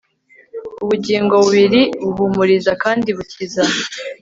ubugingo bubiri buhumuriza kandi bukiza